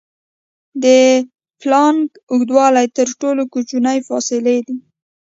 د پلانک اوږدوالی تر ټولو کوچنۍ فاصلې ده.